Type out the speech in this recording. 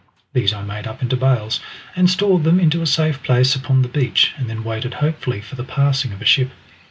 These I made up into bales, and stored them into a safe place upon the beach, and then waited hopefully for the passing of a ship.